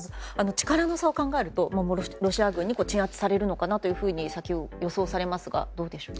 力の差を考えるとロシア軍に鎮圧されるのかなと予想されますがどうでしょう。